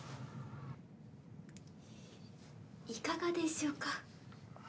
いかがでしょうか？